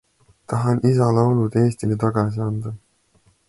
Tahan isa laulud Eestile tagasi anda.